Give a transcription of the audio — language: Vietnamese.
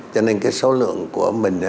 cho nên cái số lượng của mình